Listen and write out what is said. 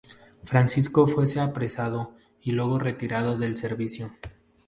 Francisco fue apresado y luego retirado del servicio.